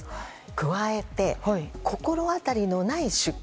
加えて、心当たりのない出金